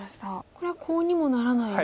これはコウにもならない。